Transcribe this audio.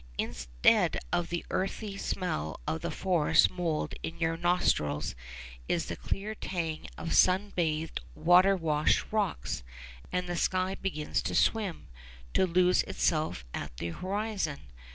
Instead of the earthy smell of the forest mold in your nostrils is the clear tang of sun bathed, water washed rocks; and the sky begins to swim, to lose itself at the horizon.